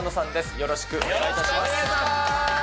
よろしくお願いします。